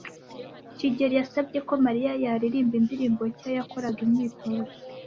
kigeli yasabye ko Mariya yaririmba indirimbo nshya yakoraga imyitozo.